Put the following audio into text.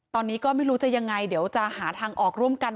ตอนนี้ก็ไม่รู้จะยังไงเดี๋ยวจะหาทางออกร่วมกัน